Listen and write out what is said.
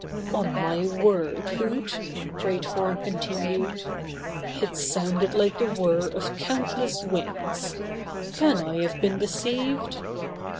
"On my word, Hoot," Great Horn con tinued, "it sounded like the whir of countless wings. Can I have been deceived?"